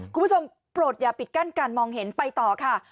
โปรดอย่าปิดกั้นการมองเห็นไปต่อค่ะ